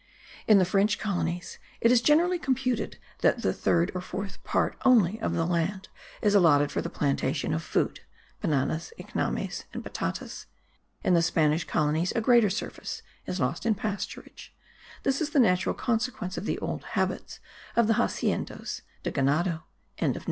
In the French colonies it is generally computed that the third or fourth part only of the land is allotted for the plantation of food (bananas, ignames and batates); in the Spanish colonies a greater surface is lost in pasturage; this is the natural consequence of the old habits of the haciendas de ganado.)